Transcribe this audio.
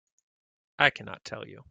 I cannot tell you.